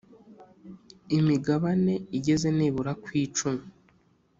Imigabane Igeze Nibura Ku Icumi